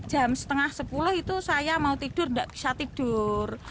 jam setengah sepuluh itu saya mau tidur tidak bisa tidur